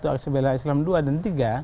aksi bela islam dua dan tiga